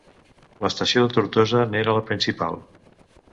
L'estació de Tortosa n'era la principal.